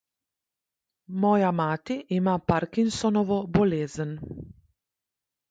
Moja mati ima Parkinsonovo bolezen.